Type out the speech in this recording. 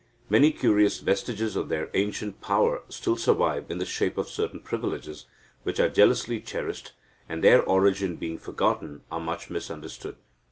Many curious vestiges of their ancient power still survive in the shape of certain privileges, which are jealously cherished, and, their origin being forgotten, are much misunderstood.